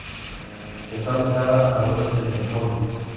Está ubicada a al oeste de Moulins.